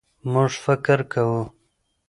مونږ فکر کوو